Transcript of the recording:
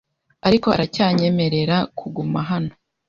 Ariko aracyanyemerera kuguma hano,